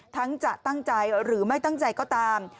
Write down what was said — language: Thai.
จะตั้งใจหรือไม่ตั้งใจก็ตาม